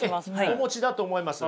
お持ちだと思います。